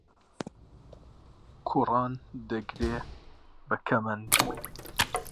کوڕان دەگرێ بە کەمەند